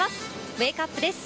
ウェークアップです。